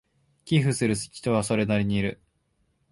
寄付する人はそれなりにいる